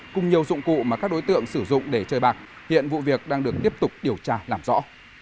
cùng nhiều dụng cụ mà các đối tượng sử dụng để chơi bạc hiện vụ việc đang được tiếp tục điều tra làm rõ